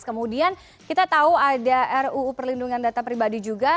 kemudian kita tahu ada ruu perlindungan data pribadi juga